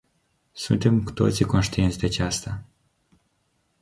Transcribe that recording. Suntem cu toții conștienți de aceasta.